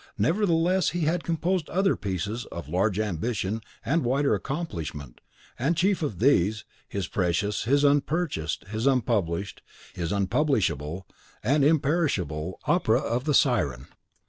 Nevertheless, he had composed other pieces of larger ambition and wider accomplishment, and chief of these, his precious, his unpurchased, his unpublished, his unpublishable and imperishable opera of the "Siren."